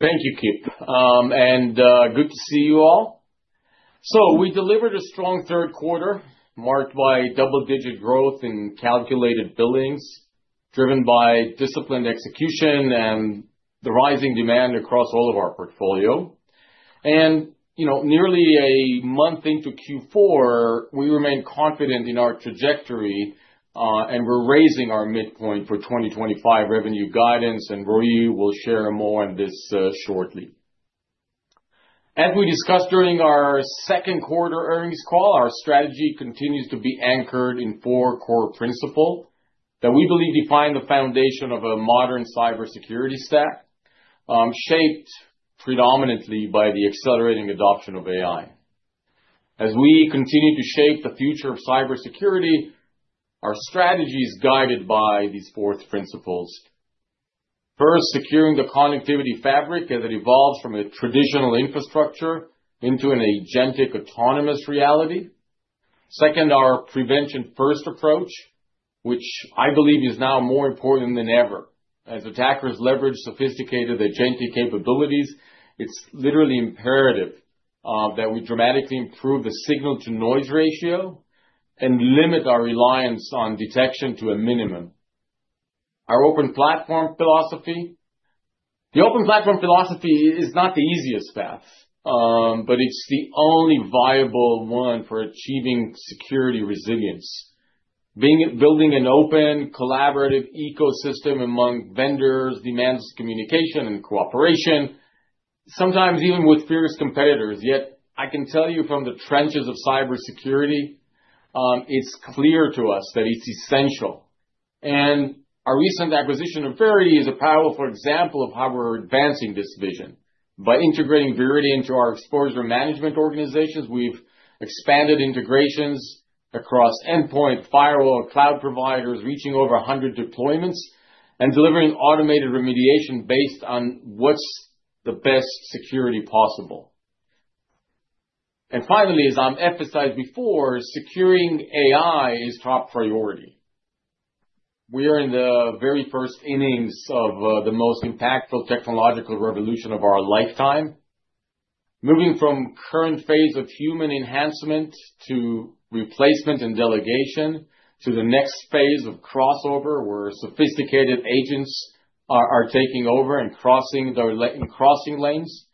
Thank you, Kip, and good to see you all. So we delivered a strong third quarter, marked by double-digit growth in Calculated Billings, driven by disciplined execution and the rising demand across all of our portfolio. And you know, nearly a month into Q4, we remain confident in our trajectory, and we're raising our midpoint for 2025 revenue guidance, and Roei will share more on this shortly. As we discussed during our second quarter earnings call, our strategy continues to be anchored in four core principles that we believe define the foundation of a modern cybersecurity stack, shaped predominantly by the accelerating adoption of AI. As we continue to shape the future of cybersecurity, our strategy is guided by these four principles. First, securing the connectivity fabric as it evolves from a traditional infrastructure into an agentic autonomous reality. Second, our prevention-first approach, which I believe is now more important than ever. As attackers leverage sophisticated agentic capabilities, it's literally imperative that we dramatically improve the signal-to-noise ratio and limit our reliance on detection to a minimum. Our open platform philosophy, the open platform philosophy is not the easiest path, but it's the only viable one for achieving security resilience. Be it building an open, collaborative ecosystem among vendors demands communication and cooperation, sometimes even with fierce competitors. Yet I can tell you from the trenches of cybersecurity, it's clear to us that it's essential, and our recent acquisition of Veriti is a powerful example of how we're advancing this vision. By integrating Veriti into our exposure management organizations, we've expanded integrations across endpoint, firewall, cloud providers, reaching over 100 deployments and delivering automated remediation based on what's the best security possible. And finally, as I've emphasized before, securing AI is top priority. We are in the very first innings of the most impactful technological revolution of our lifetime. Moving from the current phase of human enhancement to replacement and delegation to the next phase of crossover, where sophisticated agents are taking over and crossing the line and crossing lanes,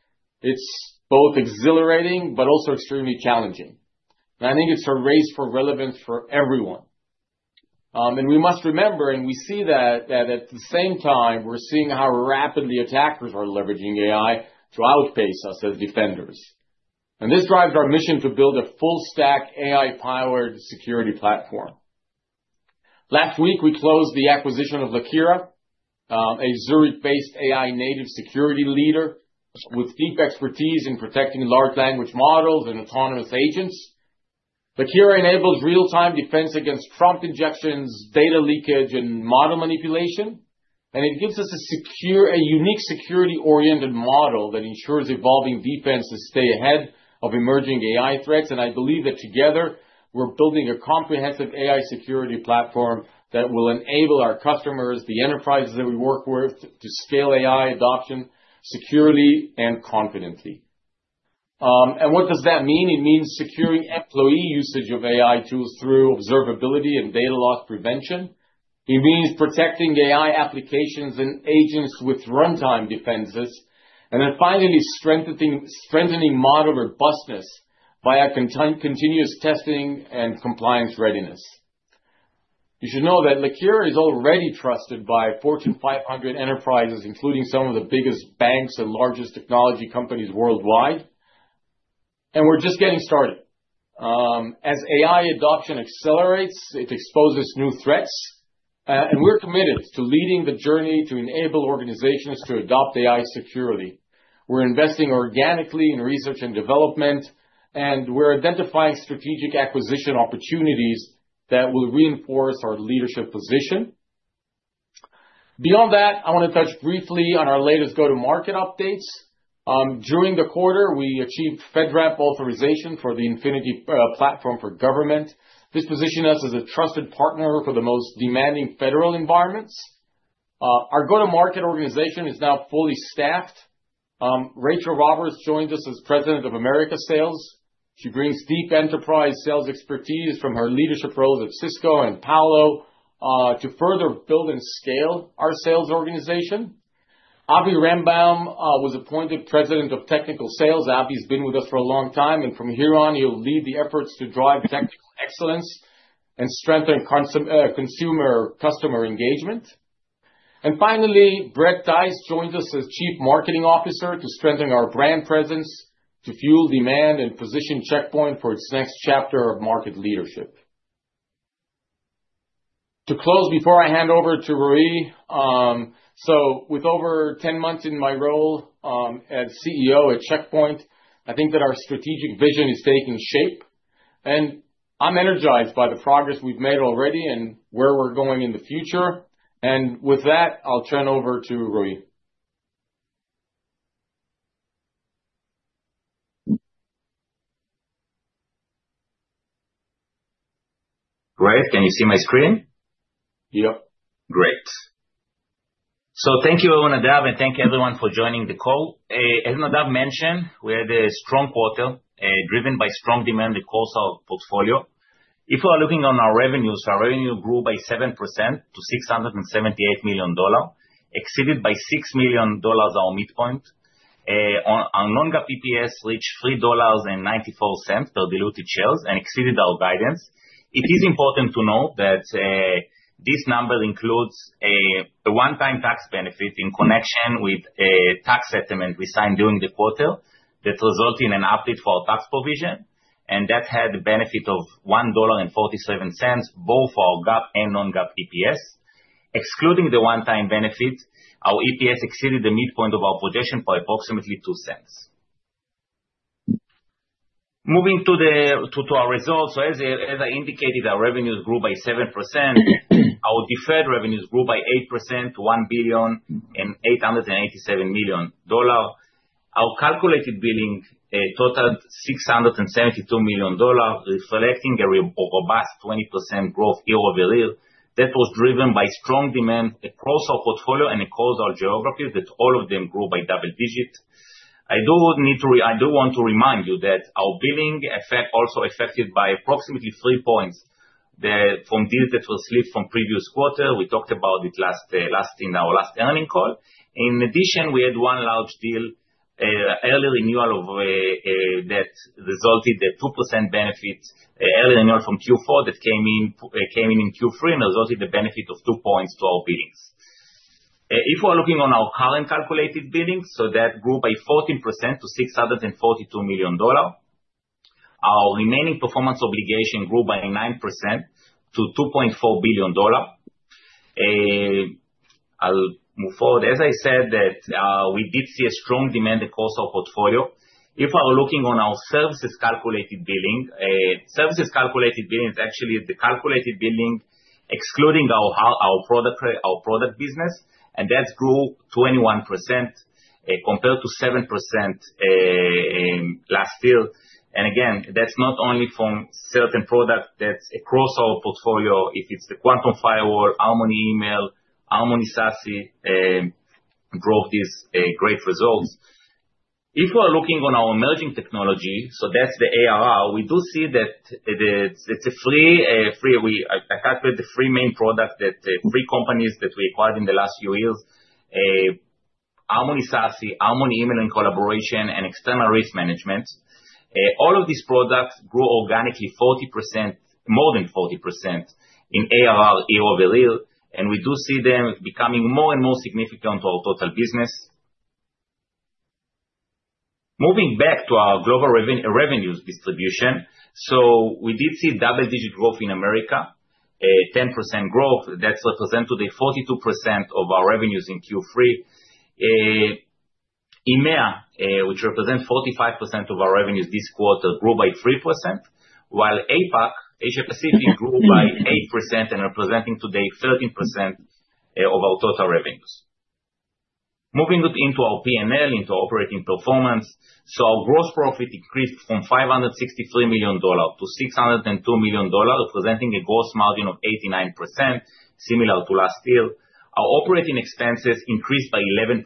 it's both exhilarating but also extremely challenging. And I think it's a race for relevance for everyone. We must remember, we see that at the same time, we're seeing how rapidly attackers are leveraging AI to outpace us as defenders. And this drives our mission to build a full-stack AI-powered security platform. Last week, we closed the acquisition of Lakera, a Zurich-based AI-native security leader with deep expertise in protecting large language models and autonomous agents. Lakera enables real-time defense against prompt injections, data leakage, and model manipulation, and it gives us a secure, unique security-oriented model that ensures evolving defenses stay ahead of emerging AI threats. And I believe that together, we're building a comprehensive AI security platform that will enable our customers, the enterprises that we work with, to scale AI adoption securely and confidently. And what does that mean? It means securing employee usage of AI tools through observability and data loss prevention. It means protecting AI applications and agents with runtime defenses. And then finally, strengthening model robustness via content continuous testing and compliance readiness. You should know that Lakera is already trusted by Fortune 500 enterprises, including some of the biggest banks and largest technology companies worldwide. And we're just getting started. As AI adoption accelerates, it exposes new threats. And we're committed to leading the journey to enable organizations to adopt AI securely. We're investing organically in research and development, and we're identifying strategic acquisition opportunities that will reinforce our leadership position. Beyond that, I wanna touch briefly on our latest go-to-market updates. During the quarter, we achieved FedRAMP authorization for the Infinity Platform for Government. This positioned us as a trusted partner for the most demanding federal environments. Our go-to-market organization is now fully staffed. Rachel Roberts joined us as President of Americas Sales. She brings deep enterprise sales expertise from her leadership roles at Cisco and Palo, to further build and scale our sales organization. Avi Rembaum was appointed President of Technical Sales. Avi's been with us for a long time, and from here on, he'll lead the efforts to drive technical excellence and strengthen customer engagement. And finally, Brett Theiss joins us as Chief Marketing Officer to strengthen our brand presence, to fuel demand and position Check Point for its next chapter of market leadership. To close, before I hand over to Roei, so with over 10 months in my role, as CEO at Check Point, I think that our strategic vision is taking shape. And I'm energized by the progress we've made already and where we're going in the future. And with that, I'll turn over to Roei. Roei, can you see my screen? Yep. Great. So thank you, Nadav, and thank everyone for joining the call. As Nadav mentioned, we had a strong quarter, driven by strong demand across our portfolio. If we are looking at our revenues, our revenue grew by 7% to $678 million, exceeded by $6 million our midpoint. On non-GAAP EPS, reached $3.94 per diluted shares and exceeded our guidance. It is important to note that this number includes a one-time tax benefit in connection with a tax settlement we signed during the quarter that resulted in an update for our tax provision, and that had the benefit of $1.47 both for our GAAP and non-GAAP EPS. Excluding the one-time benefit, our EPS exceeded the midpoint of our projection by approximately $0.02. Moving to our results, as I indicated, our revenues grew by 7%. Our Deferred Revenues grew by 8% to $1 billion and $887 million. Our Calculated Billings totaled $672 million, reflecting a robust 20% growth year-over-year that was driven by strong demand across our portfolio and across our geographies that all of them grew by double digits. I do need to, I do want to remind you that our billing was also affected by approximately three points from deals that were slipped from previous quarter. We talked about it last in our last earnings call. In addition, we had one large deal, early renewal of, that resulted in a 2% benefit, early renewal from Q4 that came in in Q3 and resulted in the benefit of two points to our billings. If we are looking on our current Calculated Billings, so that grew by 14% to $642 million. Our remaining performance obligation grew by 9% to $2.4 billion. I'll move forward. As I said that, we did see a strong demand across our portfolio. If we are looking on our Services Calculated Billings, Services Calculated Billings is actually the Calculated Billings excluding our product business, and that grew 21%, compared to 7% last year. Again, that's not only from certain products that's across our portfolio. If it's the Quantum Firewall, Harmony Email, Harmony SASE drove these great results. If we are looking on our emerging technology, so that's the ARR, we do see that it's three. I calculate the three main products, three companies that we acquired in the last few years, Harmony SASE, Harmony Email & Collaboration, and External Risk Management. All of these products grew organically 40%, more than 40% in ARR year-over-year, and we do see them becoming more and more significant to our total business. Moving back to our global revenue, revenues distribution, so we did see double-digit growth in America, 10% growth. That's represented today 42% of our revenues in Q3. EMEA, which represents 45% of our revenues this quarter, grew by 3%, while APAC, Asia Pacific, grew by 8% and representing today 13% of our total revenues. Moving into our P&L, into our operating performance, so our gross profit increased from $563 million to $602 million, representing a gross margin of 89%, similar to last year. Our operating expenses increased by 11%.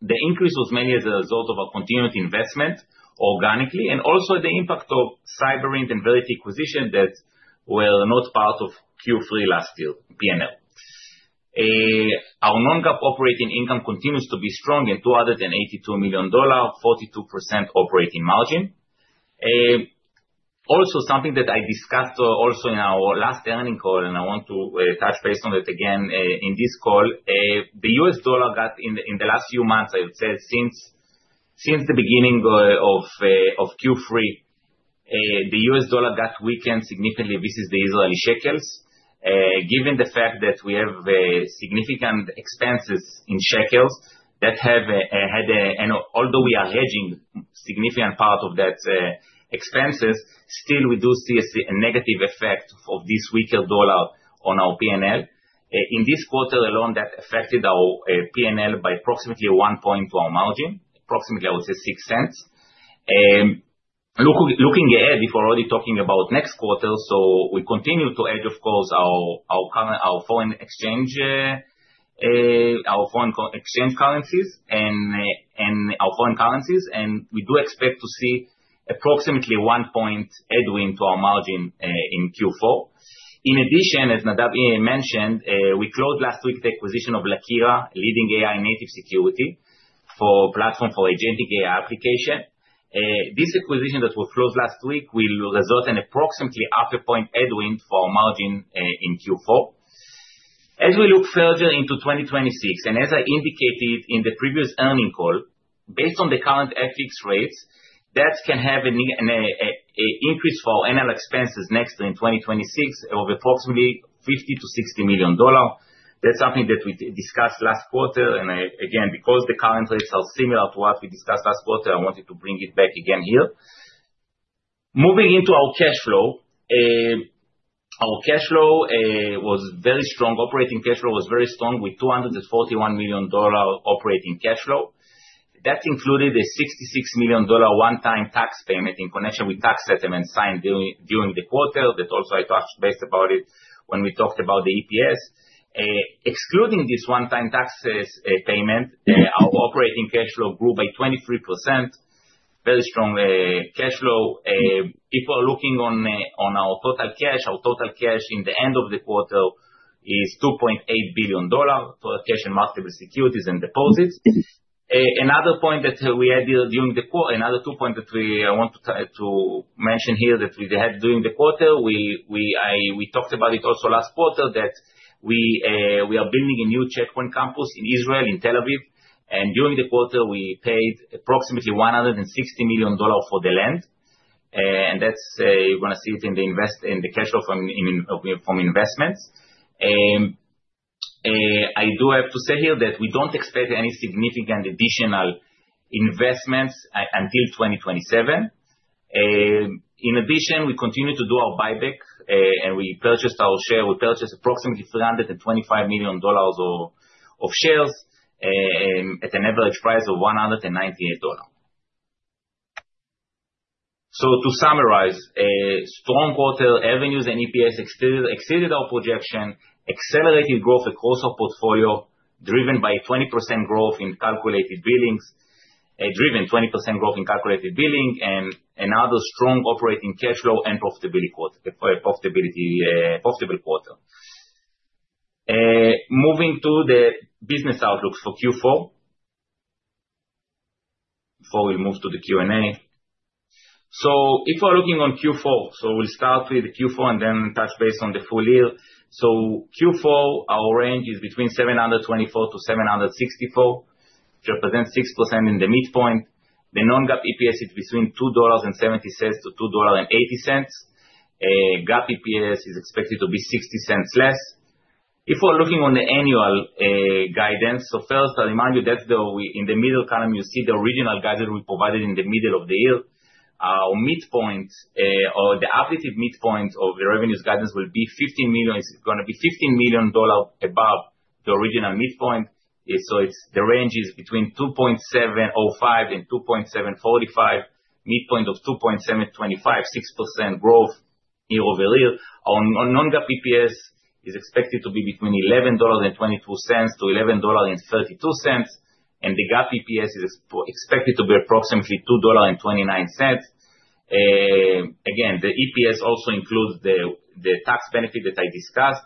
The increase was mainly as a result of our continued investment organically and also the impact of Cyberint and Lakera acquisitions that were not part of Q3 last year, P&L. Our non-GAAP operating income continues to be strong at $282 million, 42% operating margin. Also, something that I also discussed in our last earnings call, and I want to touch base on it again in this call, the US dollar in the last few months, I would say, since the beginning of Q3, got weakened significantly. Vis-à-vis the Israeli shekels, given the fact that we have significant expenses in shekels that had, and although we are hedging significant part of those expenses, still we do see a negative effect of this weaker dollar on our P&L. In this quarter alone, that affected our P&L by approximately one point to our margin, approximately, I would say, $0.06. Looking ahead, if we're already talking about next quarter, we continue to hedge, of course, our current foreign exchange currencies and foreign currencies, and we do expect to see approximately one-point headwind to our margin in Q4. In addition, as Nadav mentioned, we closed last week the acquisition of Lakera, leading AI-native security platform for agentic AI application. This acquisition that was closed last week will result in approximately 0.5-point headwind for our margin in Q4. As we look further into 2026, and as I indicated in the previous earnings call, based on the current FX rates, that can have an increase for our annual expenses in 2026 of approximately $50 million-$60 million. That's something that we discussed last quarter. And I again, because the current rates are similar to what we discussed last quarter, I wanted to bring it back again here. Moving into our cash flow, our cash flow was very strong. Operating cash flow was very strong with $241 million operating cash flow. That included a $66 million one-time tax payment in connection with tax settlements signed during the quarter that also I touched base about it when we talked about the EPS. Excluding this one-time tax payment, our operating cash flow grew by 23%. Very strong cash flow. If we are looking on our total cash, our total cash in the end of the quarter is $2.8 billion, total cash and marketable securities and deposits. Another two points that I want to mention here that we had during the quarter. We talked about it also last quarter that we are building a new Check Point campus in Israel, in Tel Aviv. During the quarter, we paid approximately $160 million for the land. And that's what you're gonna see it in the cash flow from investments. I do have to say here that we don't expect any significant additional investments until 2027. In addition, we continue to do our buyback, and we purchased approximately $325 million of shares at an average price of $198. So to summarize, strong quarter revenues and EPS exceeded our projection, accelerated growth across our portfolio driven by 20% growth in Calculated Billings and other strong operating cash flow and profitable quarter. Moving to the business outlooks for Q4. Before we move to the Q&A. If we are looking at Q4, we'll start with the Q4 and then touch base on the full year. Q4, our range is between $724-$764, which represents 6% at the midpoint. The non-GAAP EPS is between $2.70-$2.80. GAAP EPS is expected to be $0.60 less. If we are looking at the annual guidance, first I remind you that in the middle column, you see the original guidance we provided in the middle of the year. Our midpoint, or the updated midpoint of the revenues guidance will be $15 million, is gonna be $15 million above the original midpoint. So it's the range is between $2.705 and $2.745, midpoint of $2.725, 6% growth year-over-year. Our non-GAAP EPS is expected to be between $11.22-$11.32, and the GAAP EPS is expected to be approximately $2.29. Again, the EPS also includes the tax benefit that I discussed.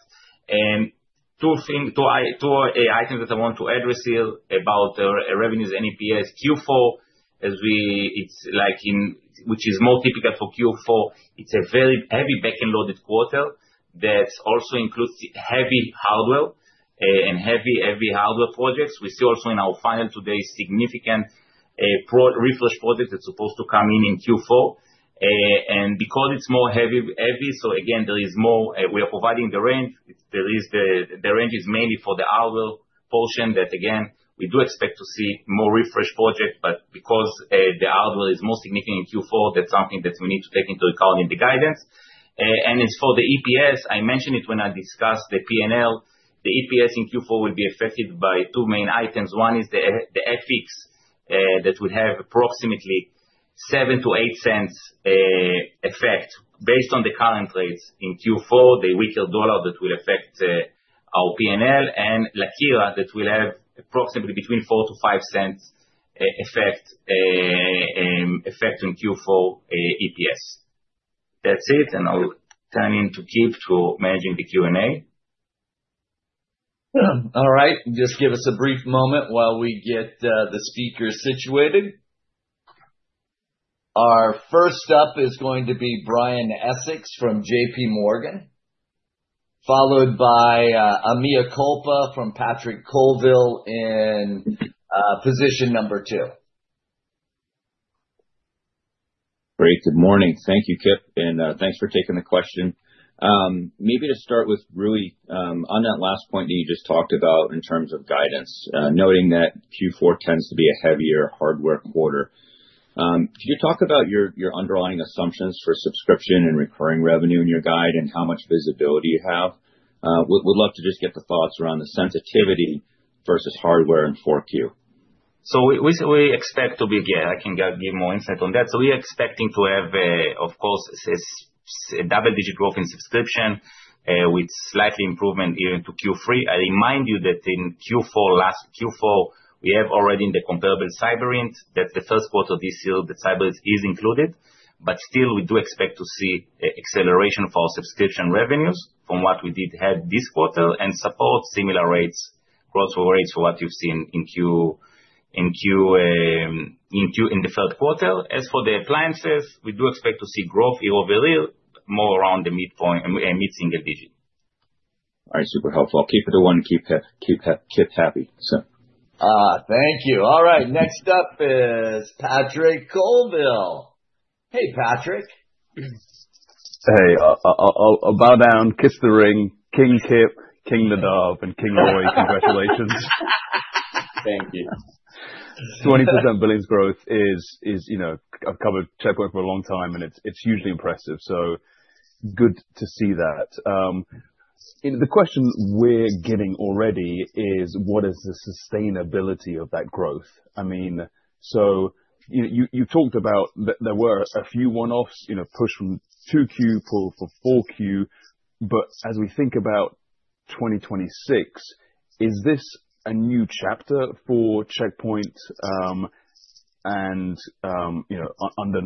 Two things, two items that I want to address here about revenues and EPS Q4, as it's like in which is more typical for Q4, it's a very heavy back-loaded quarter that also includes heavy hardware and heavy hardware projects. We see also in our funnel today significant PC refresh project that's supposed to come in Q4. Because it's more heavy, so again, there is more. We are providing the range. The range is mainly for the hardware portion that again, we do expect to see more refresh project, but because the hardware is more significant in Q4, that's something that we need to take into account in the guidance. As for the EPS, I mentioned it when I discussed the P&L. The EPS in Q4 will be affected by two main items. One is the FX that will have approximately $0.07-$0.08 effect based on the current rates in Q4, the weaker dollar that will affect our P&L, and Lakera that will have approximately between $0.04-$0.05 effect on Q4 EPS. That's it. I'll turn it over to Kip to manage the Q&A. All right. Just give us a brief moment while we get the speakers situated. Our first up is going to be Brian Essex from JPMorgan, followed by Hamza Fodderwala from Patrick Colville in position number two. Great. Good morning. Thank you, Kip. And thanks for taking the question. Maybe to start with, Roei, on that last point that you just talked about in terms of guidance, noting that Q4 tends to be a heavier hardware quarter. Could you talk about your underlying assumptions for subscription and recurring revenue in your guide and how much visibility you have? We'd love to just get the thoughts around the sensitivity versus hardware in Q4. So we expect to be, yeah. I can give more insight on that. We are expecting to have, of course, a double-digit growth in subscription, with slightly improvement even to Q3. I remind you that in Q4, last Q4, we have already in the comparable Cyberint. That's the first quarter of this year that Cyberint is included, but still we do expect to see acceleration for our subscription revenues from what we did had this quarter and support similar rates, growth rates for what you've seen in the third quarter. As for the appliances, we do expect to see growth year-over-year, more around the midpoint, mid-single-digit. All right. Super helpful. I'll keep it a one and keep happy. So. Thank you. All right. Next up is Patrick Colville. Hey, Patrick. Hey, bow down, kiss the ring, King Kip, King Nadav, and King Roei. Congratulations. Thank you. 20% billions growth is, you know, I've covered Check Point for a long time and it's usually impressive. So good to see that. You know, the question we are getting already is what is the sustainability of that growth? I mean, so, you know, you talked about that there were a few one-offs, you know, push from 2Q for 4Q, but as we think about 2026, is this a new chapter for Check Point, and, you know, under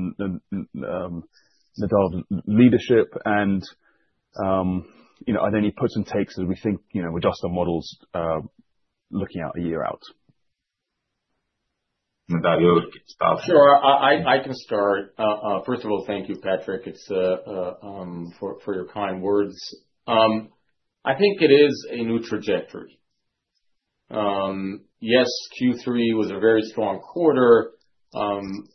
Nadav's leadership and, you know, are there any puts and takes as we think, you know, with destocking models, looking out a year out? Nadav, you'll get started. Sure. I can start. First of all, thank you, Patrick. It's for your kind words. I think it is a new trajectory. Yes, Q3 was a very strong quarter, and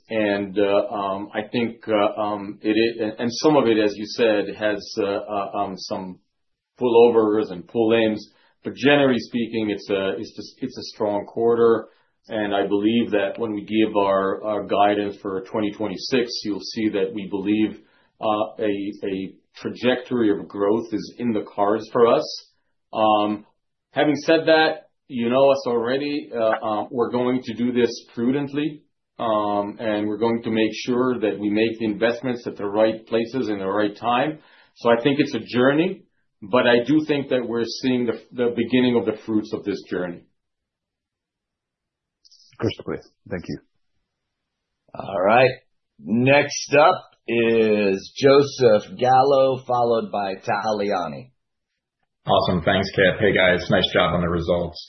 I think some of it, as you said, has some pull-forwards and pull-ins, but generally speaking, it's just a strong quarter, and I believe that when we give our guidance for 2026, you'll see that we believe a trajectory of growth is in the cards for us. Having said that, you know us already, we're going to do this prudently, and we're going to make sure that we make the investments at the right places at the right time, so I think it's a journey, but I do think that we're seeing the beginning of the fruits of this journey. Perfect. Clear. Thank you. All right. Next up is Joseph Gallo, followed by Tal Liani. Awesome. Thanks, Kip. Hey guys, nice job on the results.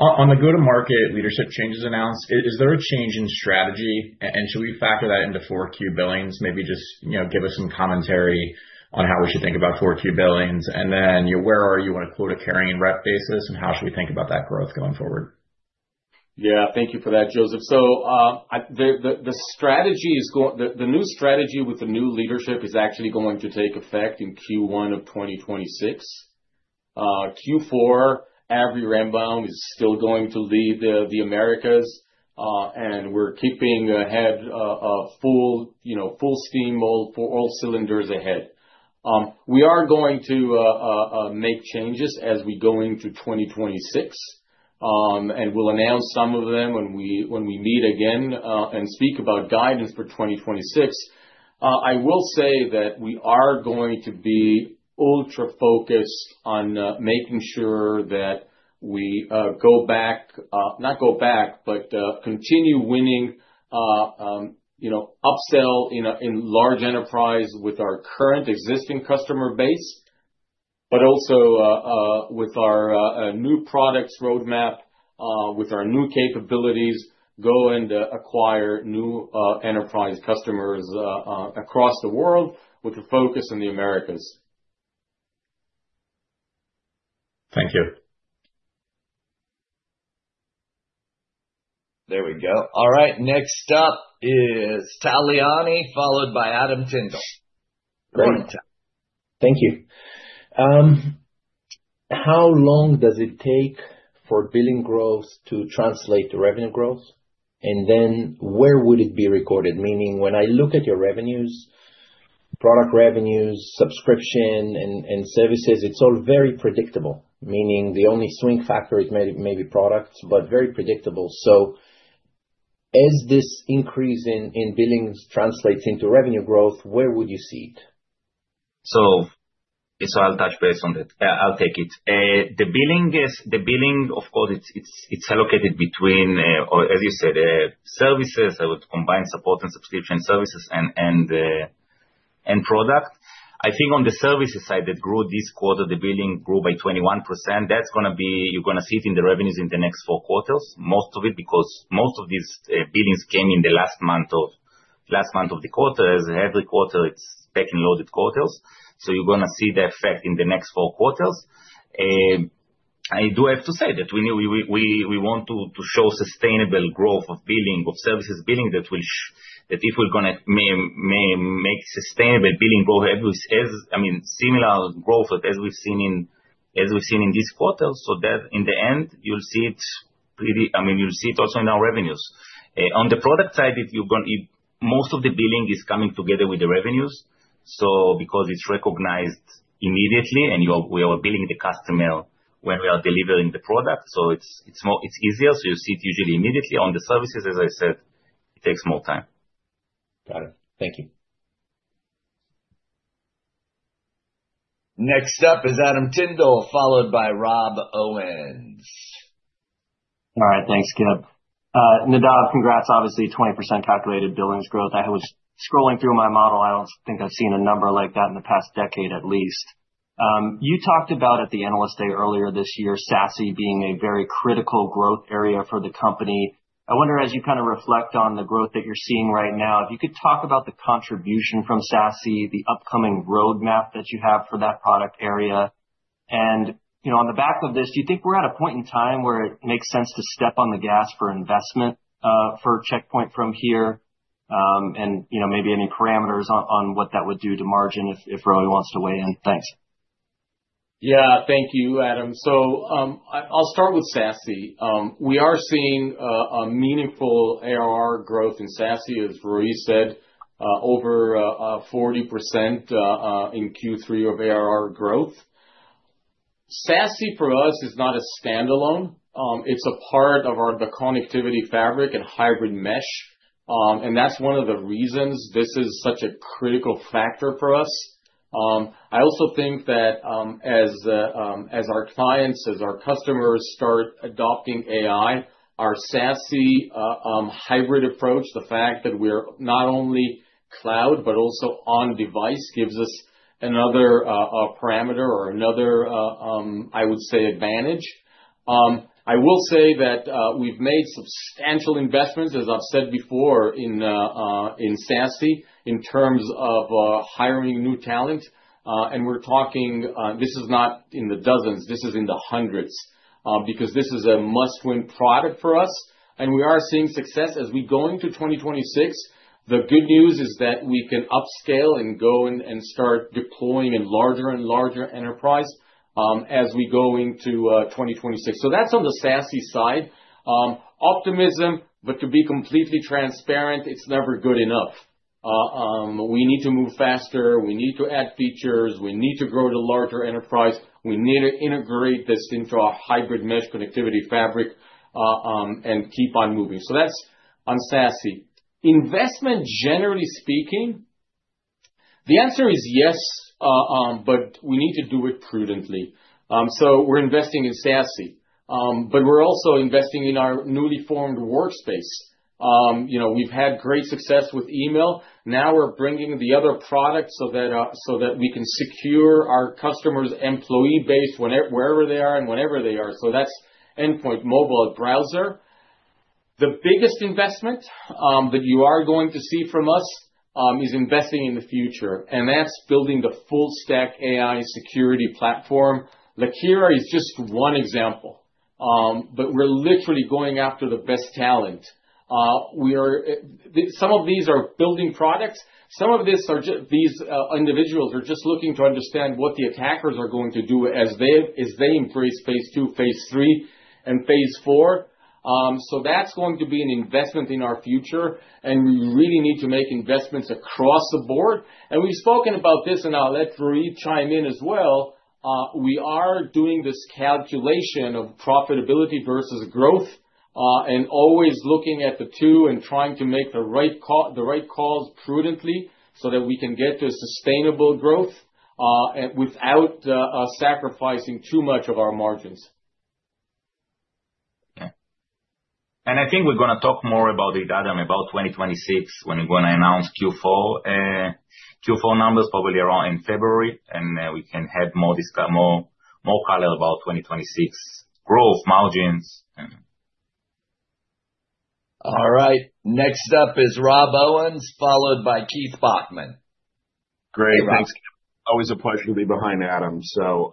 On the go-to-market leadership changes announced, is there a change in strategy and should we factor that into 4Q billings? Maybe just, you know, give us some commentary on how we should think about 4Q billings. And then, you know, where are you on a quota carrying rep basis and how should we think about that growth going forward? Yeah. Thank you for that, Joseph. So, the new strategy with the new leadership is actually going to take effect in Q1 of 2026. Q4, Avi Rembaum is still going to lead the Americas, and we're keeping ahead full steam, you know, all cylinders ahead. We are going to make changes as we go into 2026, and we'll announce some of them when we meet again and speak about guidance for 2026. I will say that we are going to be ultra focused on making sure that we go back, not go back, but continue winning, you know, upsell in large enterprise with our current existing customer base, but also with our new products roadmap, with our new capabilities, go and acquire new enterprise customers across the world with a focus in the Americas. Thank you. There we go. All right. Next up is Tal Liani, followed by Adam Tindle. Great. Thank you. How long does it take for billing growth to translate to revenue growth? And then where would it be recorded? Meaning when I look at your revenues, product revenues, subscription, and services, it's all very predictable, meaning the only swing factor is maybe products, but very predictable. So as this increase in billings translates into revenue growth, where would you see it? I'll touch base on that. Yeah, I'll take it. The billing is, of course, allocated between, or as you said, services. I would combine support and subscription services and product. I think on the services side that grew this quarter, the billing grew by 21%. That's gonna be, you're gonna see it in the revenues in the next four quarters, most of it, because most of these billings came in the last month of the quarter. As every quarter, it's back-end loaded quarters. You're gonna see the effect in the next four quarters. I do have to say that we knew we want to show sustainable growth of billing, of services billing that if we're gonna make sustainable billing growth as, I mean, similar growth as we've seen in this quarter. So that in the end, you'll see it pretty, I mean, you'll see it also in our revenues. On the product side, most of the billing is coming together with the revenues. So because it's recognized immediately and we are billing the customer when we are delivering the product. So it's easier. So you see it usually immediately on the services. As I said, it takes more time. Got it. Thank you. Next up is Adam Tindle, followed by Rob Owens. All right. Thanks, Kip. Nadav, congrats. Obviously, 20% Calculated Billings growth. I was scrolling through my model. I don't think I've seen a number like that in the past decade at least. You talked about at the analyst day earlier this year, SASE being a very critical growth area for the company. I wonder, as you kind of reflect on the growth that you're seeing right now, if you could talk about the contribution from SASE, the upcoming roadmap that you have for that product area, and, you know, on the back of this, do you think we're at a point in time where it makes sense to step on the gas for investment for Check Point from here, and, you know, maybe any parameters on what that would do to margin if Roei wants to weigh in? Thanks. Yeah. Thank you, Adam. So, I'll start with SASE. We are seeing a meaningful ARR growth in SASE, as Roei said, over 40% in Q3 of ARR growth. SASE for us is not a standalone. It's a part of our, the connectivity fabric and Hybrid Mesh, and that's one of the reasons this is such a critical factor for us. I also think that, as our clients, as our customers start adopting AI, our SASE hybrid approach, the fact that we are not only cloud, but also on device gives us another parameter or another, I would say, advantage. I will say that, we've made substantial investments, as I've said before, in SASE in terms of hiring new talent, and we're talking, this is not in the dozens, this is in the hundreds, because this is a must-win product for us. And we are seeing success as we go into 2026. The good news is that we can upscale and go and start deploying in larger and larger enterprise, as we go into 2026. So that's on the SASE side. Optimism, but to be completely transparent, it's never good enough. We need to move faster. We need to add features. We need to grow to larger enterprise. We need to integrate this into our Hybrid Mesh connectivity fabric, and keep on moving. So that's on SASE. Investment, generally speaking, the answer is yes, but we need to do it prudently. So we're investing in SASE, but we're also investing in our newly formed Workspace. You know, we've had great success with email. Now we're bringing the other product so that we can secure our customers' employee base whenever, wherever they are and whenever they are. So that's endpoint, mobile, browser. The biggest investment, that you are going to see from us, is investing in the future, and that's building the full stack AI security platform. Lakera is just one example. But we're literally going after the best talent. We are, some of these are building products. Some of this are just, these individuals are just looking to understand what the attackers are going to do as they, as they embrace phase two, phase three, and phase four. So that's going to be an investment in our future, and we really need to make investments across the board. And we've spoken about this, and I'll let Roei chime in as well. We are doing this calculation of profitability versus growth, and always looking at the two and trying to make the right call, the right calls prudently so that we can get to sustainable growth, without sacrificing too much of our margins. Okay, and I think we're gonna talk more about it, Adam, about 2026 when we're gonna announce Q4 numbers probably around in February, and we can have more color about 2026 growth margins. All right. Next up is Rob Owens, followed by Keith Bachman. Great. Thanks, Kip. Always a pleasure to be behind, Adam. So,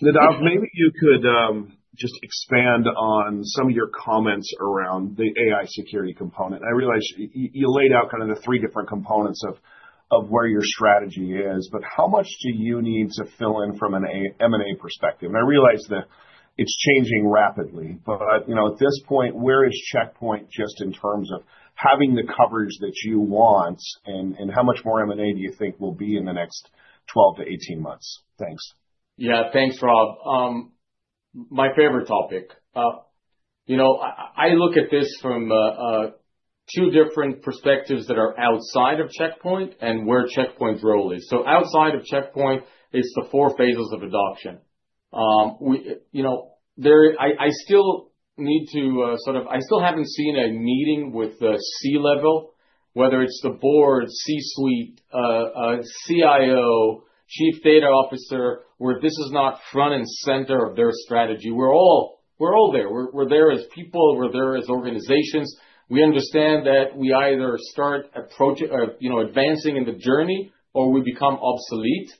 Nadav, maybe you could just expand on some of your comments around the AI security component. I realize you laid out kind of the three different components of where your strategy is, but how much do you need to fill in from an M&A perspective? And I realize that it's changing rapidly, but you know, at this point, where is Check Point in terms of having the coverage that you want? And how much more M&A do you think will be in the next 12-18 months? Thanks. Yeah. Thanks, Rob. My favorite topic, you know. I look at this from two different perspectives that are outside of Check Point and where Check Point's role is, so outside of Check Point, it's the four phases of adoption. You know, I still need to sort of. I still haven't seen a meeting with the C-level, whether it's the board, C-suite, CIO, Chief Data Officer, where this is not front and center of their strategy. We're all there. We're there as people, as organizations. We understand that we either start approaching, you know, advancing in the journey or we become obsolete,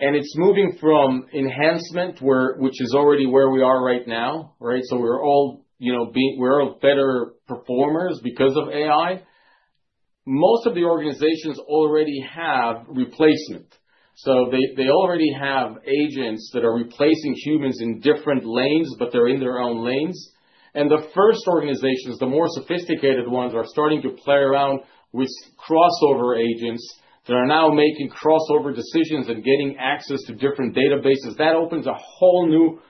and it's moving from enhancement, which is already where we are right now, right, so we're all, you know, better performers because of AI. Most of the organizations already have replacement. So they already have agents that are replacing humans in different lanes, but they're in their own lanes. And the first organizations, the more sophisticated ones, are starting to play around with crossover agents that are now making crossover decisions and getting access to different databases. That opens a whole new,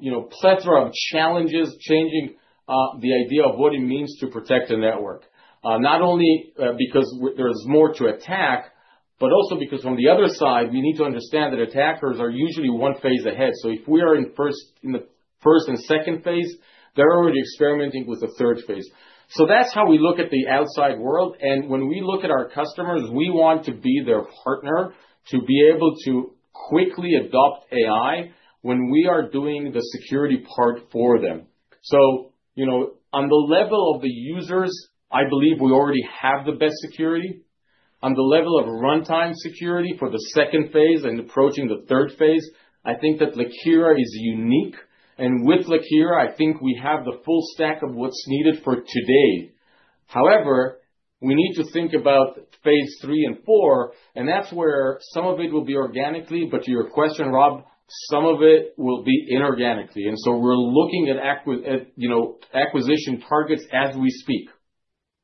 you know, plethora of challenges changing the idea of what it means to protect a network. Not only because there's more to attack, but also because on the other side, we need to understand that attackers are usually one phase ahead. So if we are in the first and second phase, they're already experimenting with the third phase. So that's how we look at the outside world. And when we look at our customers, we want to be their partner to be able to quickly adopt AI when we are doing the security part for them. So, you know, on the level of the users, I believe we already have the best security. On the level of runtime security for the second phase and approaching the third phase, I think that Lakera is unique. And with Lakera, I think we have the full stack of what's needed for today. However, we need to think about phase three and four, and that's where some of it will be organically. But to your question, Rob, some of it will be inorganically. And so we're looking at acquisitions at, you know, acquisition targets as we speak.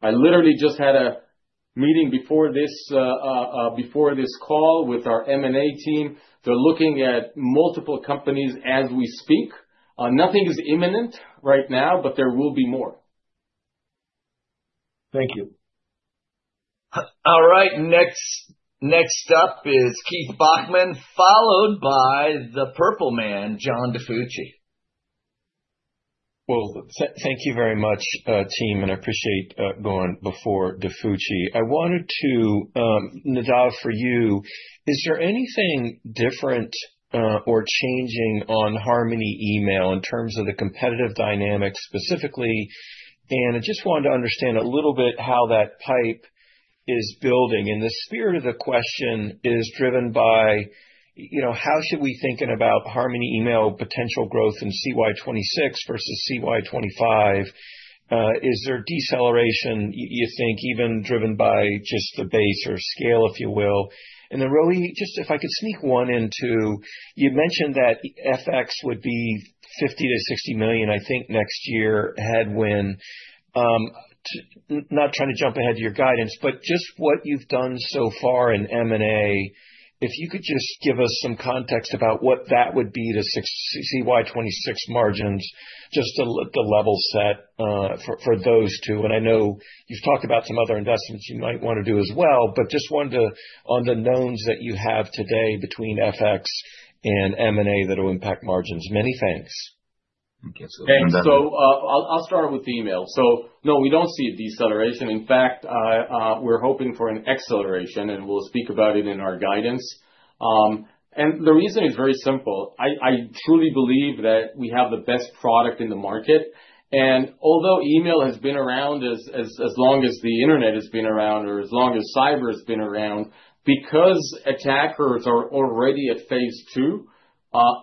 I literally just had a meeting before this, before this call with our M&A team. They're looking at multiple companies as we speak. Nothing is imminent right now, but there will be more. Thank you. All right. Next, next up is Keith Bachman, followed by the Purple Man, John DiFucci. Thank you very much, team, and I appreciate going before DiFucci. Nadav, for you, is there anything different or changing on Harmony email in terms of the competitive dynamic specifically? And I just wanted to understand a little bit how that pipe is building. And the spirit of the question is driven by, you know, how should we think about Harmony email potential growth in CY 2026 versus CY 2025? Is there deceleration, you think, even driven by just the base or scale, if you will? And then Roei, just if I could sneak one into, you mentioned that FX would be $50 million-$60 million, I think next year headwind. Not trying to jump ahead to your guidance, but just what you've done so far in M&A, if you could just give us some context about what that would be to CY 2026 margins, just to the level set, for, for those two. And I know you've talked about some other investments you might wanna do as well, but just wanted to, on the knowns that you have today between FX and M&A that'll impact margins. Many thanks. Thanks. So, I'll start with email. So no, we don't see a deceleration. In fact, we're hoping for an acceleration, and we'll speak about it in our guidance. And the reason is very simple. I truly believe that we have the best product in the market. And although email has been around as long as the internet has been around, or as long as cyber has been around, because attackers are already at phase II,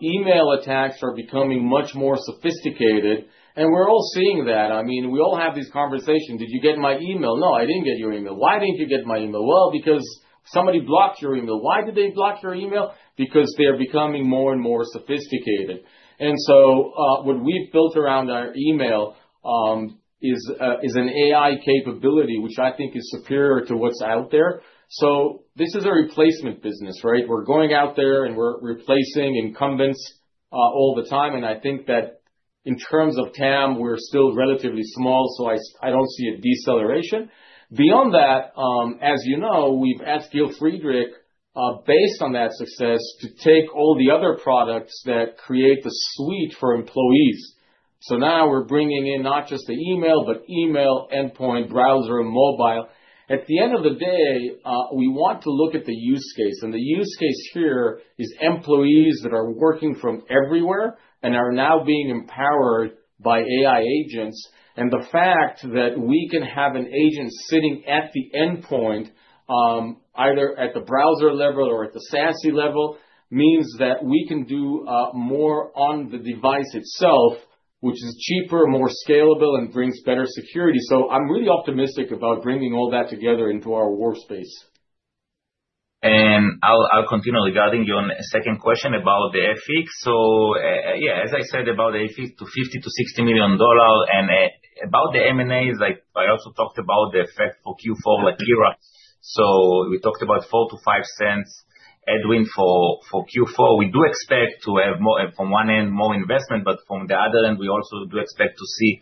email attacks are becoming much more sophisticated, and we're all seeing that. I mean, we all have these conversations. Did you get my email? No, I didn't get your email. Why didn't you get my email? Well, because somebody blocked your email. Why did they block your email? Because they're becoming more and more sophisticated. And so, what we've built around our email is an AI capability, which I think is superior to what's out there. So this is a replacement business, right? We're going out there and we're replacing incumbents all the time. And I think that in terms of TAM, we're still relatively small, so I don't see a deceleration. Beyond that, as you know, we've asked Gil Friedrich, based on that success, to take all the other products that create the suite for employees. So now we're bringing in not just the email, but email, endpoint, browser, mobile. At the end of the day, we want to look at the use case. And the use case here is employees that are working from everywhere and are now being empowered by AI agents. And the fact that we can have an agent sitting at the endpoint, either at the browser level or at the SASE level means that we can do more on the device itself, which is cheaper, more scalable, and brings better security. So I'm really optimistic about bringing all that together into our workspace. And I'll continue regarding your second question about the FX. So, yeah, as I said about the FX, $50 million-$60 million, and about the M&As. Like, I also talked about the effect for Q4 Lakera. So we talked about $0.04-$0.05 headwind for Q4. We do expect to have more from one end, more investment, but from the other end, we also do expect to see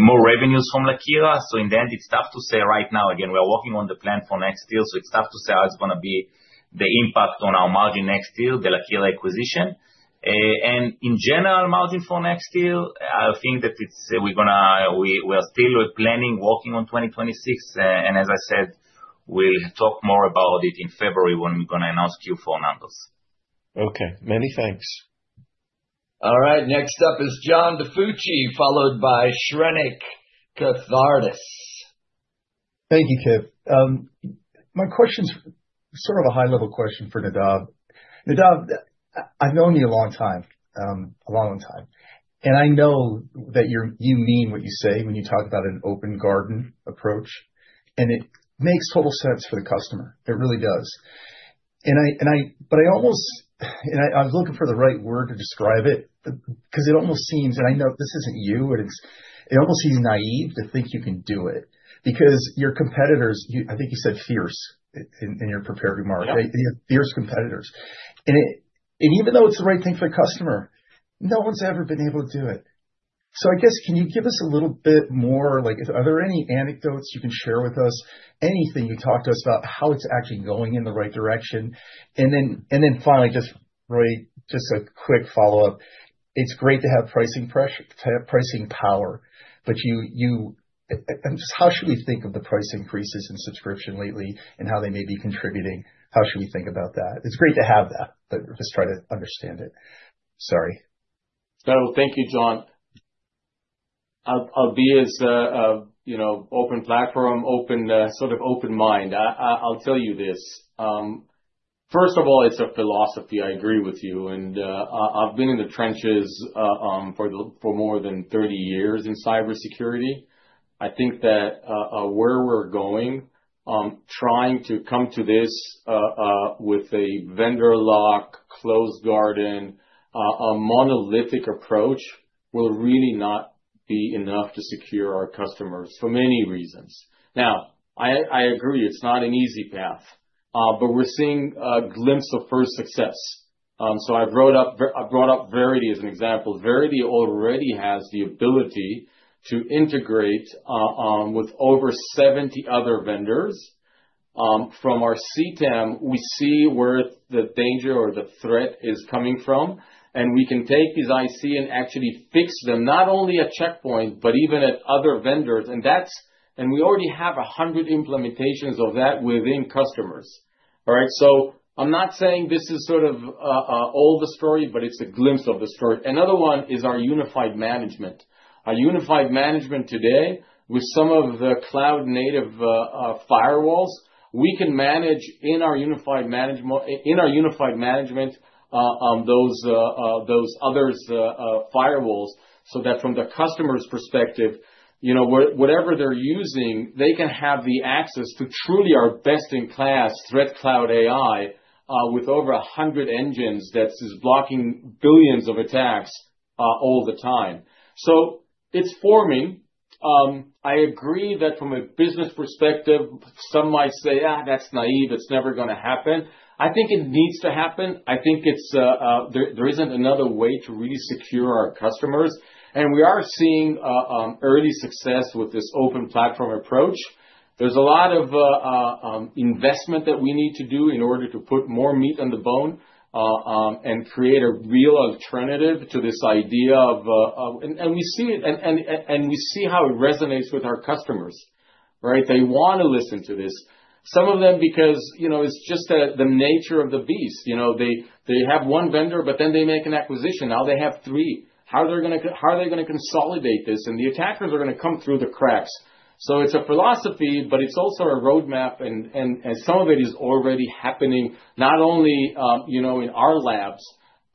more revenues from Lakera. So in the end, it's tough to say right now. Again, we are working on the plan for next year. So it's tough to say how it's gonna be the impact on our margin next year, the Lakera acquisition, and in general, margin for next year. I think that we're gonna. We are still planning, working on 2026. And as I said, we'll talk more about it in February when we're gonna announce Q4 numbers. Okay. Many thanks. All right. Next up is John DiFucci, followed by Shrenik Kothari. Thank you, Kip. My question's sort of a high-level question for Nadav. Nadav, I've known you a long time, a long, long time, and I know that you mean what you say when you talk about an open garden approach, and it makes total sense for the customer. It really does. And I, but I almost, I was looking for the right word to describe it 'cause it almost seems, and I know this isn't you, and it almost seems naive to think you can do it because your competitors. You, I think you said fierce in your prepared remark. You have fierce competitors. And it, even though it's the right thing for the customer, no one's ever been able to do it. So I guess, can you give us a little bit more, like, are there any anecdotes you can share with us? Anything you talk to us about how it's actually going in the right direction? And then finally, just Roei, just a quick follow-up. It's great to have pricing pressure, pricing power, but you and just how should we think of the price increases in subscription lately and how they may be contributing? How should we think about that? It's great to have that, but just try to understand it. Sorry. So thank you, John. I'll be as you know, open platform, sort of open mind. I'll tell you this. First of all, it's a philosophy. I agree with you. And I've been in the trenches for more than 30 years in cybersecurity. I think that where we're going, trying to come to this with a vendor lock, closed garden, a monolithic approach will really not be enough to secure our customers for many reasons. Now, I agree. It's not an easy path, but we're seeing a glimpse of first success. So I brought up Veriti as an example. Veriti already has the ability to integrate with over 70 other vendors. From our CTAM, we see where the danger or the threat is coming from, and we can take these IC and actually fix them not only at Check Point, but even at other vendors. And that's. We already have 100 implementations of that within customers. All right. So I'm not saying this is sort of all the story, but it's a glimpse of the story. Another one is our Unified Management. Our Unified Management today with some of the cloud-native firewalls, we can manage in our Unified Management those other firewalls so that from the customer's perspective, you know, what, whatever they're using, they can have the access to truly our best in class ThreatCloud AI, with over 100 engines that is blocking billions of attacks, all the time. So it's forming. I agree that from a business perspective, some might say that's naive. It's never gonna happen. I think it needs to happen. I think it's there isn't another way to really secure our customers, and we are seeing early success with this open platform approach. There's a lot of investment that we need to do in order to put more meat on the bone, and create a real alternative to this idea, and we see it and we see how it resonates with our customers, right? They wanna listen to this. Some of them because, you know, it's just the nature of the beast. You know, they have one vendor, but then they make an acquisition. Now they have three. How are they gonna consolidate this, and the attackers are gonna come through the cracks. So it's a philosophy, but it's also a roadmap. And some of it is already happening, not only, you know, in our labs,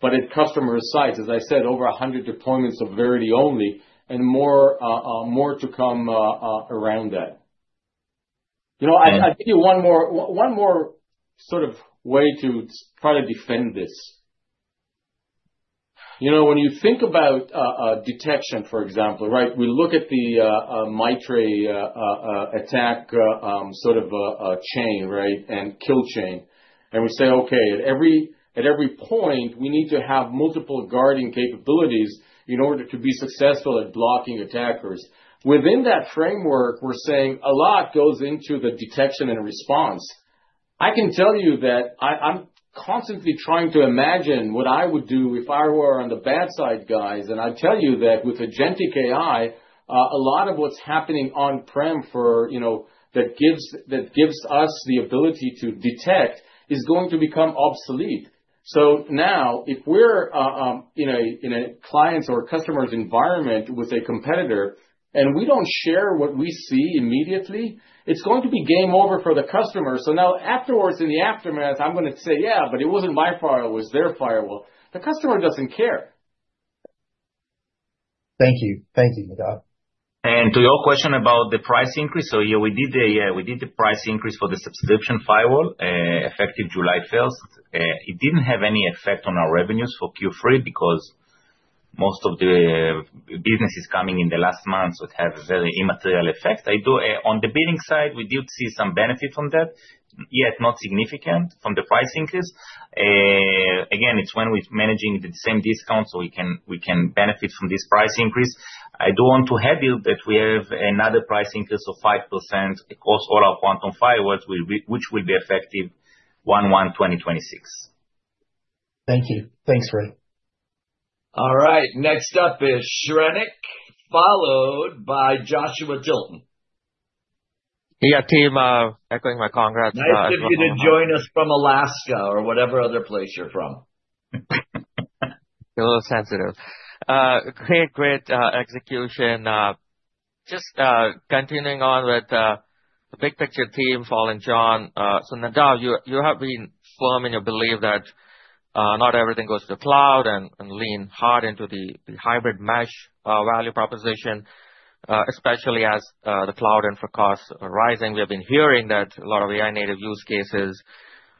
but at customer sites, as I said, over 100 deployments of Infinity alone and more to come around that. You know, I give you one more sort of way to try to defend this. You know, when you think about detection, for example, right? We look at the MITRE ATT&CK sort of chain, right? And kill chain. And we say, okay, at every point, we need to have multiple guarding capabilities in order to be successful at blocking attackers. Within that framework, we're saying a lot goes into the detection and response. I can tell you that I'm constantly trying to imagine what I would do if I were on the bad side guys. And I tell you that with agentic AI, a lot of what's happening on-prem for, you know, that gives us the ability to detect is going to become obsolete. So now if we're in a client's or customer's environment with a competitor and we don't share what we see immediately, it's going to be game over for the customer. So now afterwards, in the aftermath, I'm gonna say, yeah, but it wasn't my firewall, it was their firewall. The customer doesn't care. Thank you. Thank you, Nadav. And to your question about the price increase, so yeah, we did the price increase for the subscription firewall, effective July 1st. It didn't have any effect on our revenues for Q3 because most of the business is coming in the last month. So it has a very immaterial effect. On the billing side, we did see some benefit from that, yet not significant from the price increase. Again, it's when we are managing the same discount, so we can benefit from this price increase. I do want to hear that we have another price increase of 5% across all our Quantum Firewalls, which will be effective 1/1/2026. Thank you. Thanks, Roei. All right. Next up is Shrenik followed by Joshua Tilton. Yeah, team, echoing my congrats. Nice of you to join us from Alaska or whatever other place you're from. A little sensitive. Great, great execution. Just continuing on with the big picture team, Paul and John. So Nadav, you have been firm in your belief that not everything goes to the cloud and lean hard into the hybrid mesh value proposition, especially as the cloud infra costs are rising. We have been hearing that a lot of AI-native use cases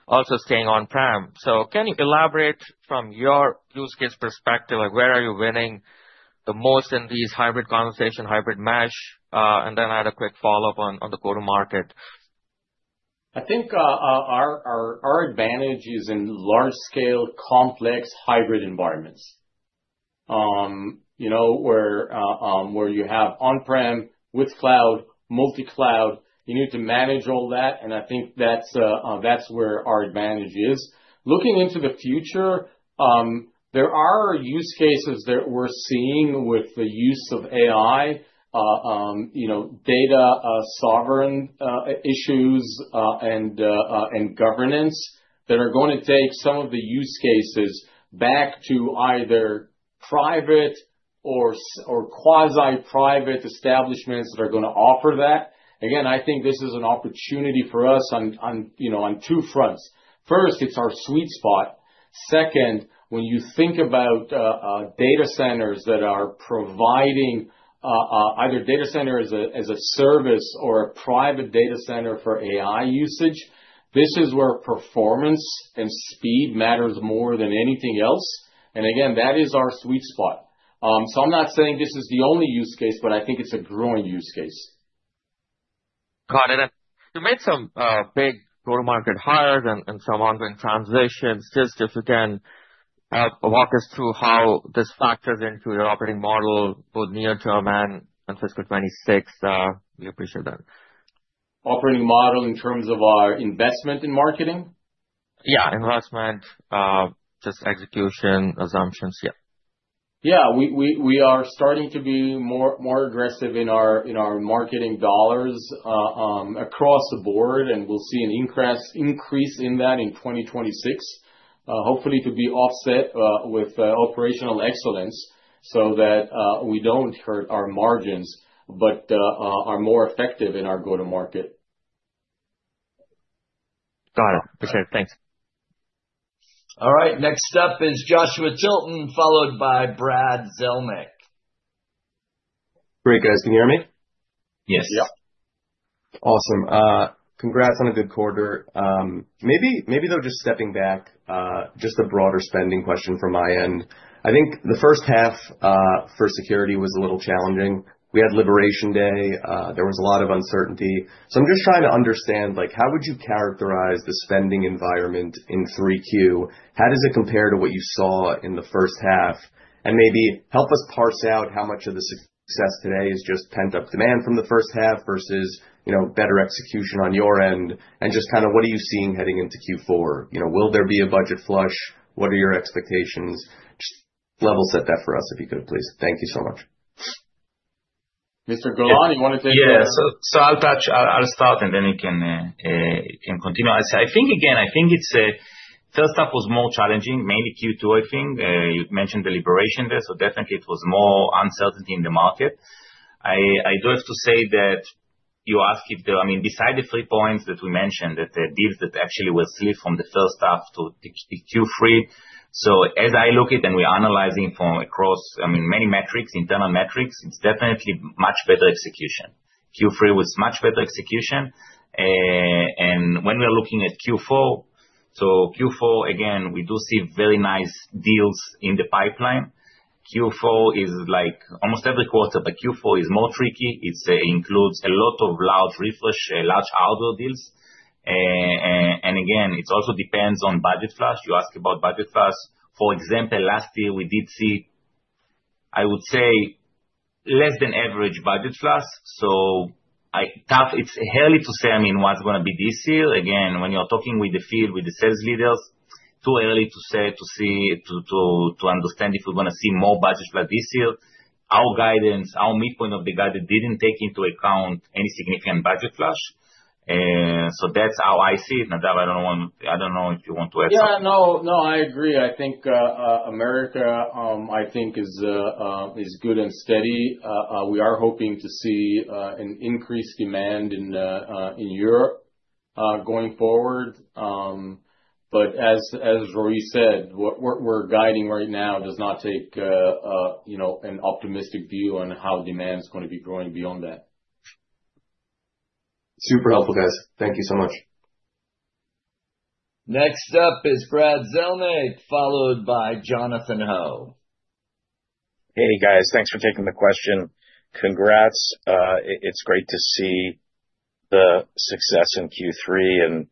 also staying on-prem. So can you elaborate from your use case perspective, like where are you winning the most in these hybrid conversation, hybrid mesh? And then add a quick follow-up on the go-to-market. I think our advantage is in large-scale, complex hybrid environments. You know where you have on-prem with cloud, multi-cloud, you need to manage all that, and I think that's where our advantage is. Looking into the future, there are use cases that we're seeing with the use of AI, you know, data sovereignty issues and governance that are gonna take some of the use cases back to either private or quasi-private establishments that are gonna offer that. Again, I think this is an opportunity for us on, you know, on two fronts. First, it's our sweet spot. Second, when you think about data centers that are providing either data center as a service or a private data center for AI usage, this is where performance and speed matters more than anything else. And again, that is our sweet spot. So I'm not saying this is the only use case, but I think it's a growing use case. Got it. You made some big go-to-market hires and some ongoing transitions. Just if you can walk us through how this factors into your operating model, both near-term and fiscal 2026. We appreciate that. Operating model in terms of our investment in marketing? Yeah. Investment, just execution assumptions. Yeah. Yeah. We are starting to be more aggressive in our marketing dollars across the board. And we'll see an increase in that in 2026, hopefully to be offset with operational excellence so that we don't hurt our margins, but are more effective in our go-to-market. Got it. Appreciate it. Thanks. All right. Next up is Joshua Tilton, followed by Brad Zelnik. Great, guys. Can you hear me? Yes. Yep. Awesome. Congrats on a good quarter. Maybe, maybe though, just stepping back, just a broader spending question from my end. I think the first half for security was a little challenging. We had Liberation Day. There was a lot of uncertainty. So I'm just trying to understand, like, how would you characterize the spending environment in 3Q? How does it compare to what you saw in the first half? And maybe help us parse out how much of the success today is just pent-up demand from the first half versus, you know, better execution on your end. And just kind of what are you seeing heading into Q4? You know, will there be a budget flush? What are your expectations? Just level set that for us, if you could, please. Thank you so much. Mr. Golan, you wanna take it? Yeah. So I'll start and then you can continue. I think, again, I think the first half was more challenging, mainly Q2, I think. You mentioned the deceleration there. So definitely it was more uncertainty in the market. I do have to say that you ask if there, I mean, besides the three points that we mentioned, that the deals that actually were slid from the first half to Q3. So as I look at it and we're analyzing across, I mean, many metrics, internal metrics, it's definitely much better execution. Q3 was much better execution. When we are looking at Q4, so Q4, again, we do see very nice deals in the pipeline. Q4 is like almost every quarter, but Q4 is more tricky. It includes a lot of large refresh, large order deals. And again, it also depends on budget flush. You ask about budget flush. For example, last year we did see, I would say, less than average budget flush. So I think, it's early to say, I mean, what's gonna be this year. Again, when you are talking with the field, with the sales leaders, too early to say, to see, to understand if we're gonna see more budget flush this year. Our guidance, our midpoint of the guidance didn't take into account any significant budget flush. So that's how I see it. Nadav, I don't want, I don't know if you want to add something. Yeah. No, no, I agree. I think, Americas, I think is good and steady. We are hoping to see an increased demand in Europe going forward, but as Roei said, what we're guiding right now does not take, you know, an optimistic view on how demand's gonna be growing beyond that. Super helpful, guys. Thank you so much. Next up is Brad Zelnik, followed by Jonathan Ho. Hey, guys. Thanks for taking the question. Congrats. It's great to see the success in Q3.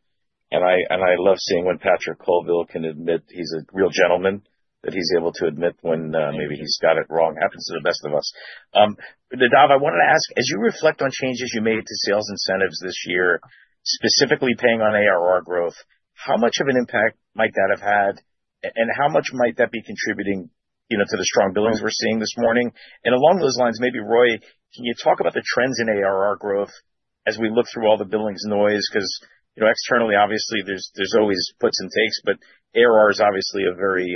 I love seeing when Patrick Colville can admit he's a real gentleman, that he's able to admit when maybe he's got it wrong. Happens to the best of us. Nadav, I wanted to ask, as you reflect on changes you made to sales incentives this year, specifically paying on ARR growth, how much of an impact might that have had? And how much might that be contributing, you know, to the strong billings we're seeing this morning? Along those lines, maybe Roei, can you talk about the trends in ARR growth as we look through all the billings noise? 'Cause, you know, externally, obviously there's always puts and takes, but ARR is obviously a very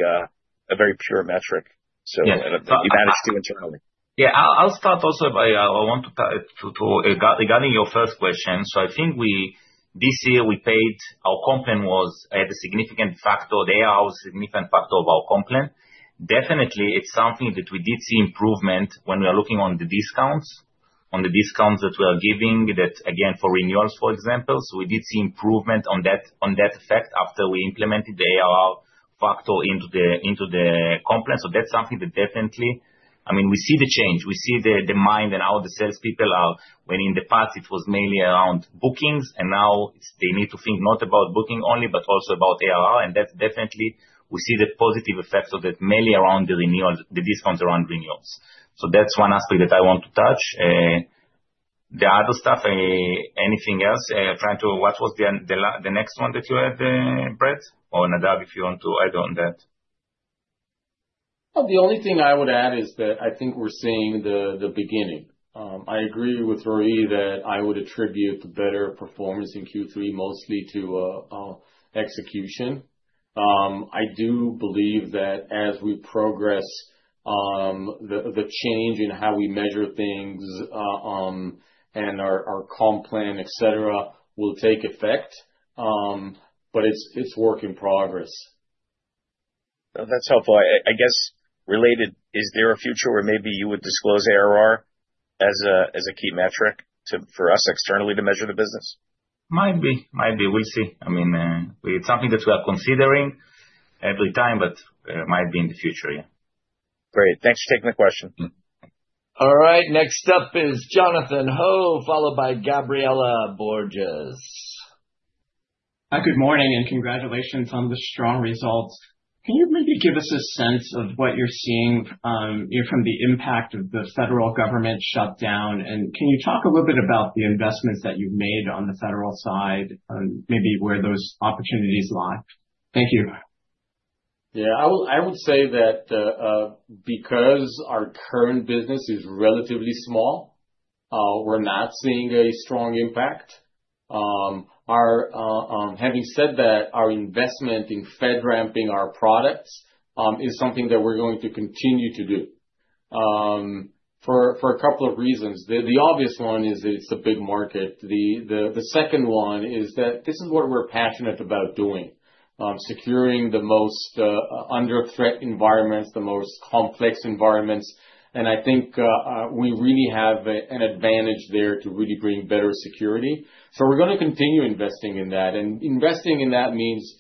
pure metric. So. Yeah. I'll start also by. I want to regarding your first question, so I think this year we paid. Our comp was the significant factor, the ARR was a significant factor of our comp. Definitely, it's something that we did see improvement when we are looking on the discounts that we are giving, that again, for renewals, for example, so we did see improvement on that effect after we implemented the ARR factor into the comp, so that's something that definitely, I mean, we see the change. We see the mindset and how the salespeople are, when in the past it was mainly around bookings, and now it's, they need to think not about booking only, but also about ARR, and that's definitely, we see the positive effect of that mainly around the renewals, the discounts around renewals. So that's one aspect that I want to touch. The other stuff, anything else? What was the last one that you had, Brad? Or Nadav, if you want to add on that. The only thing I would add is that I think we're seeing the beginning. I agree with Roei that I would attribute the better performance in Q3 mostly to execution. I do believe that as we progress, the change in how we measure things, and our comp plan, et cetera, will take effect. But it's work in progress. That's helpful. I guess related, is there a future where maybe you would disclose ARR as a key metric to, for us externally to measure the business? Might be, might be. We'll see. I mean, it's something that we are considering every time, but might be in the future. Yeah. Great. Thanks for taking the question. All right. Next up is Jonathan Ho, followed by Gabriela Borges. Hi, good morning and congratulations on the strong results. Can you maybe give us a sense of what you're seeing, you know, from the impact of the federal government shutdown? And can you talk a little bit about the investments that you've made on the federal side, maybe where those opportunities lie? Thank you. Yeah. I would say that, because our current business is relatively small, we're not seeing a strong impact. Our having said that, our investment in FedRAMPing our products is something that we're going to continue to do, for a couple of reasons. The obvious one is that it's a big market. The second one is that this is what we're passionate about doing, securing the most under threat environments, the most complex environments. And I think we really have an advantage there to really bring better security. So we're gonna continue investing in that. And investing in that means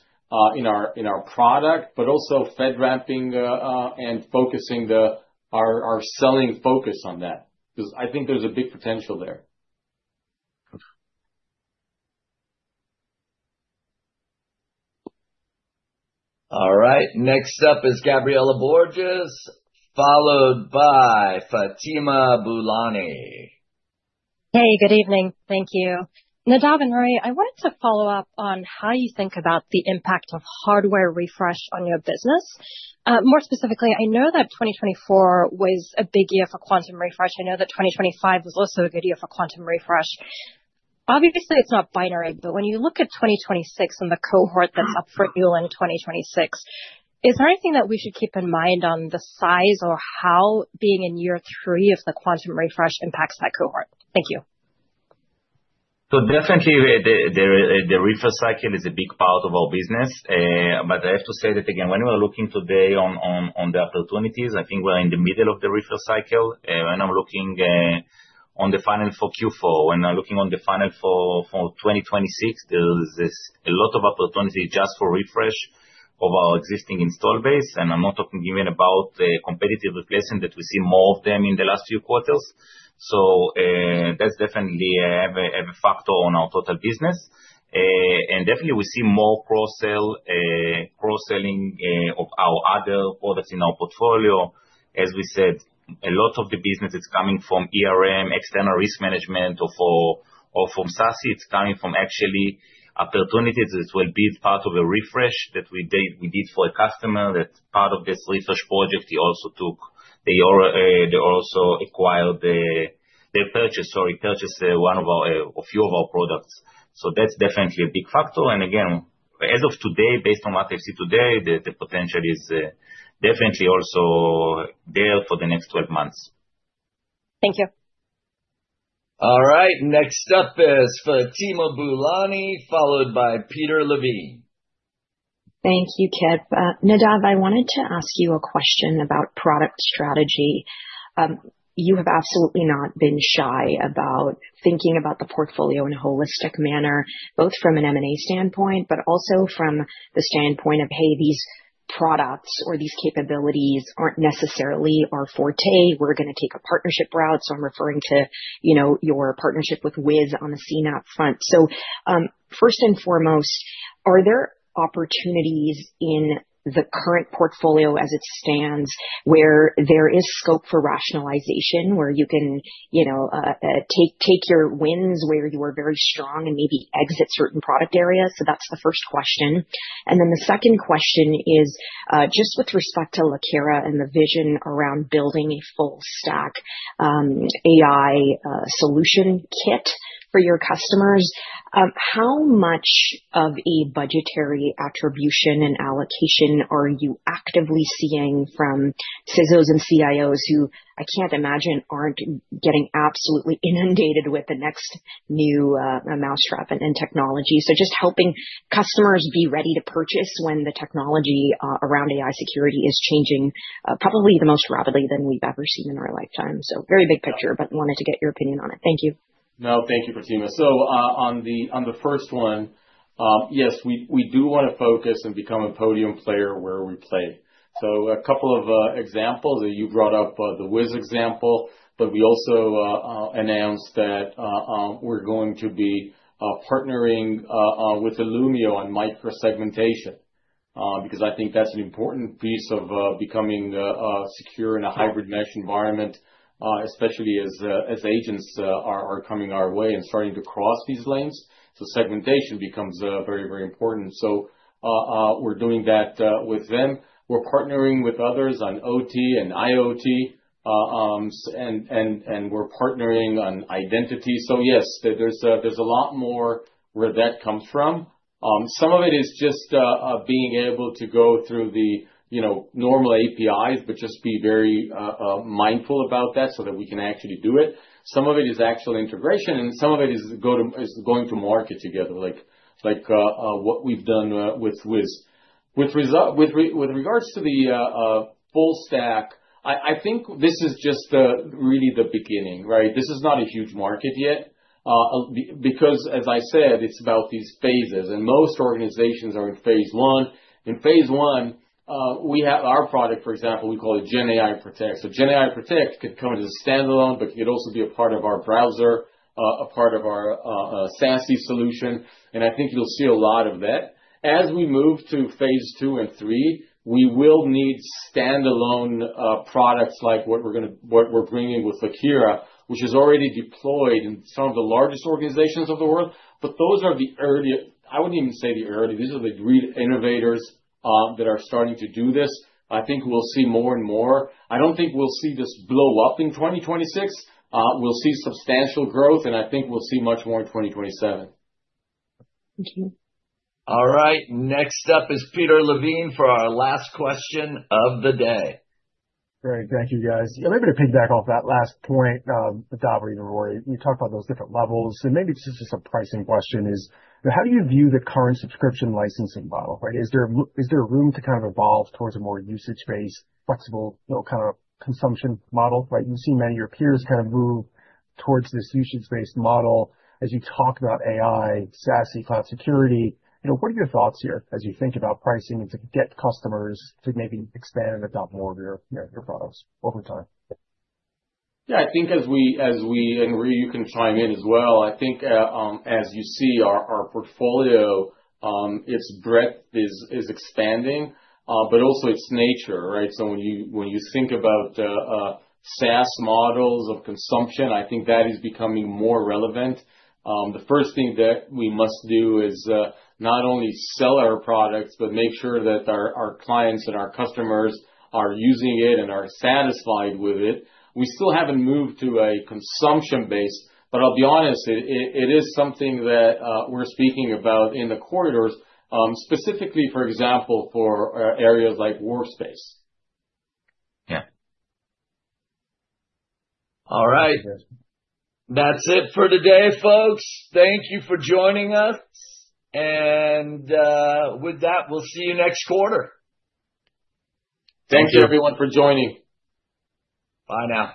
in our product, but also FedRAMPing and focusing our selling focus on that 'cause I think there's a big potential there. All right. Next up is Gabriela Borges, followed by Fatima Boolani. Hey, good evening. Thank you. Nadav and Roei, I wanted to follow up on how you think about the impact of hardware refresh on your business. More specifically, I know that 2024 was a big year for Quantum refresh. I know that 2025 was also a good year for Quantum refresh. Obviously, it's not binary, but when you look at 2026 and the cohort that's up for you in 2026, is there anything that we should keep in mind on the size or how being in year three of the Quantum refresh impacts that cohort? Thank you. So definitely the refresh cycle is a big part of our business. But I have to say that again, when we are looking today on the opportunities, I think we're in the middle of the refresh cycle. When I'm looking on the funnel for Q4, when I'm looking on the funnel for 2026, there is a lot of opportunity just for refresh of our existing installed base. And I'm not talking even about competitive replacement that we see more of them in the last few quarters. So that's definitely a factor on our total business. And definitely we see more cross-selling of our other products in our portfolio. As we said, a lot of the business is coming from External Risk Management or from SASE. It's coming from actually opportunities that will be part of a refresh that we did for a customer that, part of this refresh project, he also took. They also acquired the purchase, sorry, purchase a few of our products. So that's definitely a big factor. And again, as of today, based on what I've seen today, the potential is definitely also there for the next 12 months. Thank you. All right. Next up is Fatima Boolani, followed by Peter Levine. Thank you, Kip. Nadav, I wanted to ask you a question about product strategy. You have absolutely not been shy about thinking about the portfolio in a holistic manner, both from an M&A standpoint, but also from the standpoint of, hey, these products or these capabilities aren't necessarily our forte. We're gonna take a partnership route. So I'm referring to, you know, your partnership with Wiz on the CNAPP front. So, first and foremost, are there opportunities in the current portfolio as it stands where there is scope for rationalization, where you can, you know, take your wins where you are very strong and maybe exit certain product areas? So that's the first question. And then the second question is, just with respect to Lakera and the vision around building a full stack, AI, solution kit for your customers, how much of a budgetary attribution and allocation are you actively seeing from CISOs and CIOs who I can't imagine aren't getting absolutely inundated with the next new mousetrap and technology? So just helping customers be ready to purchase when the technology around AI security is changing, probably the most rapidly than we've ever seen in our lifetime. So very big picture, but wanted to get your opinion on it. Thank you. No, thank you, Fatima. So, on the first one, yes, we do wanna focus and become a podium player where we play. So a couple of examples that you brought up, the Wiz example, but we also announced that we're going to be partnering with Illumio on microsegmentation, because I think that's an important piece of becoming secure in a hybrid mesh environment, especially as agents are coming our way and starting to cross these lanes. So segmentation becomes very, very important. So, we're doing that with them. We're partnering with others on OT and IoT, and we're partnering on identity. So yes, there's a lot more where that comes from. Some of it is just being able to go through the, you know, normal APIs, but just be very mindful about that so that we can actually do it. Some of it is actual integration and some of it is going to market together, like what we've done with Wiz. With regards to the full stack, I think this is just really the beginning, right? This is not a huge market yet, because as I said, it's about these phases and most organizations are in phase one. In phase one, we have our product, for example, we call it GenAI Protect. So GenAI Protect could come as a standalone, but it could also be a part of our browser, a part of our SASE solution. And I think you'll see a lot of that. As we move to phase two and three, we will need standalone products like what we're bringing with Lakera, which is already deployed in some of the largest organizations of the world. But those are the early, I wouldn't even say the early, these are the great innovators, that are starting to do this. I think we'll see more and more. I don't think we'll see this blow up in 2026. We'll see substantial growth and I think we'll see much more in 2027. Thank you. All right. Next up is Peter Levine for our last question of the day. Great. Thank you, guys. Yeah, maybe to piggyback off that last point, Nadav or even Roei, you talked about those different levels. And maybe this is just a pricing question is, you know, how do you view the current subscription licensing model, right? Is there a, is there room to kind of evolve towards a more usage-based, flexible, you know, kind of consumption model, right? You've seen many of your peers kind of move towards this usage-based model as you talk about AI, SASE, cloud security. You know, what are your thoughts here as you think about pricing and to get customers to maybe expand and adopt more of your, your, your products over time? Yeah, I think as we, and Roei, you can chime in as well. I think, as you see our portfolio, its breadth is expanding, but also its nature, right? So when you think about SaaS models of consumption, I think that is becoming more relevant. The first thing that we must do is not only sell our products, but make sure that our clients and our customers are using it and are satisfied with it. We still haven't moved to a consumption-based, but I'll be honest, it is something that we're speaking about in the corridors, specifically, for example, for areas like Workspace. Yeah. All right. That's it for today, folks. Thank you for joining us. And, with that, we'll see you next quarter. Thank you. Thank you, everyone, for joining. Bye now.